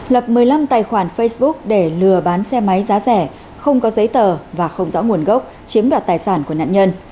lập một mươi năm tài khoản facebook để lừa bán xe máy giá rẻ không có giấy tờ và không rõ nguồn gốc chiếm đoạt tài sản của nạn nhân